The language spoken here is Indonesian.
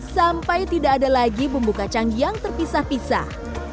sampai tidak ada lagi bumbu kacang yang terpisah pisah